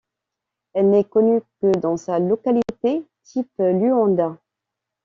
Elle n'est connue que dans sa localité type, Luanda.